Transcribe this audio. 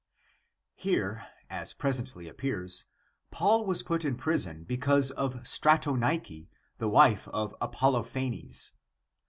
Here, as presently appears, Paul was put in prison be cause of Stratonike, the wife of Apollophanes.